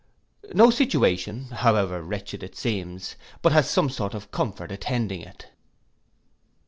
No situation, however wretched it seems, but has some sort of comfort attending it.